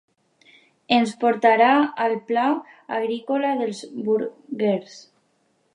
ens portarà al pla agrícola dels Bruguers